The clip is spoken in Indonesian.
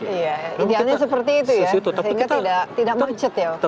iya idealnya seperti itu ya sehingga tidak macet ya